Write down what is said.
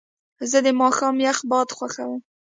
زه د ماښام یخ باد خوښوم.